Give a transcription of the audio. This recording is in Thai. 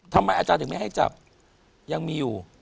ทำไมอาจารย์ถึงไม่ให้จับยังมีอยู่